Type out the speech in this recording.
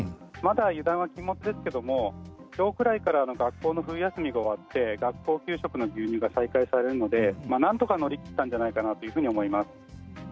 まだ油断は禁物ですけれどもきょうくらいから学校の冬休みが終わって学校給食の牛乳が再開されるのでなんとか乗り切ったんじゃないかなというふうに思います。